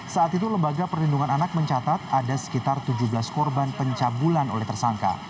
saat itu lembaga perlindungan anak mencatat ada sekitar tujuh belas korban pencabulan oleh tersangka